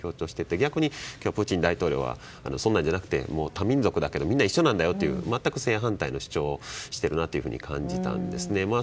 逆に、プーチン大統領はそんなんじゃなくて多民族だけどみんな一緒なんだと全く正反対の主張をしていると感じたんですね。